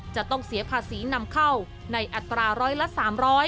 จะต้องเสียภาษีนำเข้าในอัตราร้อยละ๓๐๐